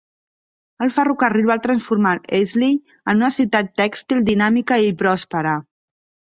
El ferrocarril va transformar Easley en una ciutat tèxtil dinàmica i pròspera.